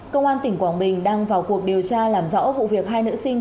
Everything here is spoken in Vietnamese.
công an tỉnh quảng bình đang vào cuộc điều tra làm rõ vụ việc hai nữ sinh